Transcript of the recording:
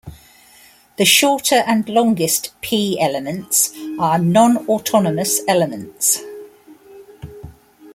The shorter and longest P elements are nonautonomous elements.